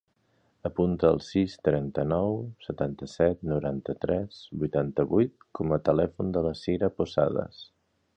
Apunta el sis, trenta-nou, setanta-set, noranta-tres, vuitanta-vuit com a telèfon de la Cira Posadas.